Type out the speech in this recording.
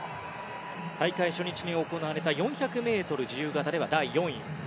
大会初日に行われた４００ｍ自由形では第４位。